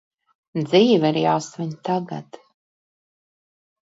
Dzīve ir jāsvin tagad!